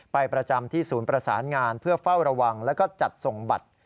ประจำที่ศูนย์ประสานงานเพื่อเฝ้าระวังแล้วก็จัดส่งบัตร